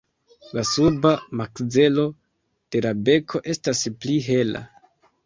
La suba makzelo de la beko estas pli hela.